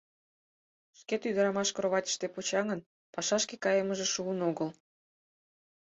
Шкет ӱдырамаш кроватьыште почаҥын, пашашке кайымыже шуын огыл.